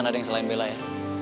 jangan ada yang selain bella ya